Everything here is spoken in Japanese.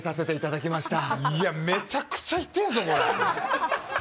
いや、めちゃくちゃ痛えぞ、これ。